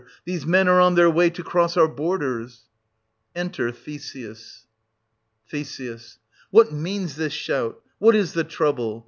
These men are on their way to cross our borders ! E^iter Theseus. Th. What means this shout ? What is the trouble